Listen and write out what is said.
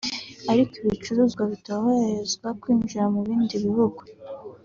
ariko ibicuruzwa bitoroherezwa kwinjira mu bindi bihugu